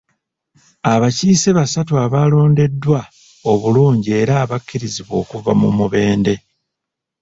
Abakiise basatu abalondeddwa obulungi era abakkirizibwa okuva mu Mubende.